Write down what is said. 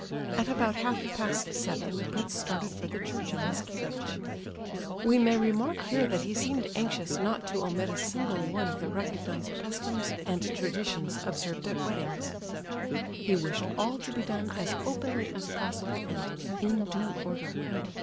At about half past seven the prince started for the church in his carriage. We may remark here that he seemed anxious not to omit a single one of the recognized customs and traditions observed at weddings. He wished all to be done as openly as possible, and "in due order."